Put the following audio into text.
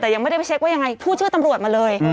แต่ยังไม่ได้ไปเช็คว่ายังไงพูดชื่อตำรวจมาเลย